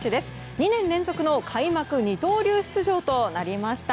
２年連続の開幕二刀流出場となりました。